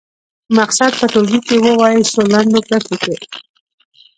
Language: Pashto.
مقصد په ټولګي کې ووايي څو لنډو کرښو کې.